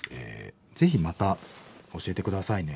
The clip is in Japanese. ぜひまた教えて下さいね。